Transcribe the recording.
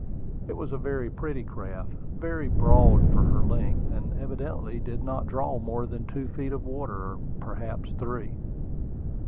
It was a very pretty craft, very broad for her length, and evidently did not draw more than two feet of water, or perhaps three.